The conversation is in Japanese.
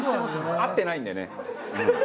合ってないんだよね。